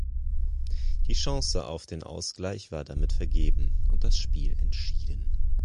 Die Chance auf den Ausgleich war damit vergeben und das Spiel entschieden.